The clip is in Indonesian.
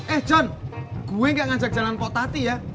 eh john gue gak ngajak jalan pok tati ya